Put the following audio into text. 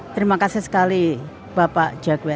dan saya juga mencari pengetahuan